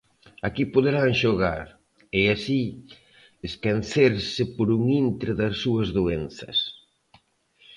Aquí poderán xogar, e así esquecerse por un intre das súas doenzas.